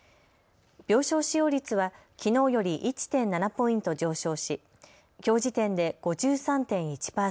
病床使用率は、きのうより１．７ポイント上昇しきょう時点で５３．１％。